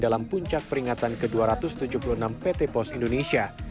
dalam puncak peringatan ke dua ratus tujuh puluh enam pt pos indonesia